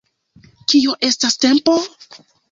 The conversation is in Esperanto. Kio estas tempo?